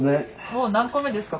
もう何個目ですか？